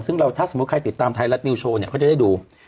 ซึ่งเราถ้าสมมุติใครติดตามไทยรัฐนิวโชว์เนี่ยเขาจะได้ดู